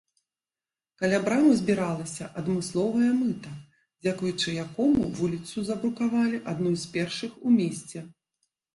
Каля брамы збіралася адмысловае мыта, дзякуючы якому вуліцу забрукавалі адной з першых у месце.